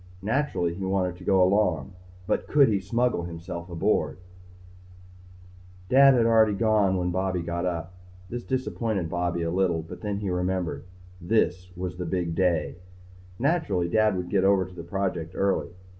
Naturally he wanted to go along. But could he smuggle himself aboard? Illustrated by Lloyd Rognan Dad had already gone when Bobby got up. This disappointed Bobby a little but then he remembered this was the big day. Naturally Dad would get over to the project early.